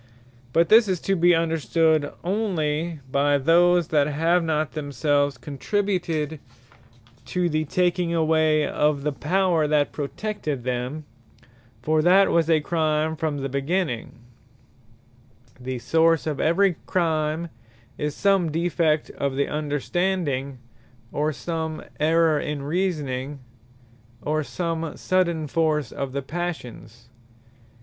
But this is to be understood onely of those, that have not themselves contributed to the taking away of the Power that protected them: for that was a Crime from the beginning. Ignorance Of The Law Of Nature Excuseth No Man The source of every Crime, is some defect of the Understanding; or some errour in Reasoning, or some sudden force of the Passions.